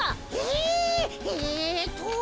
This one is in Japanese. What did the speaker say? えっと。